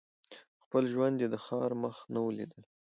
په خپل ژوند یې د ښار مخ نه وو لیدلی